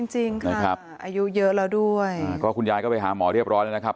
จริงค่ะอายุเยอะแล้วด้วยก็คุณยายก็ไปหาหมอเรียบร้อยแล้วนะครับ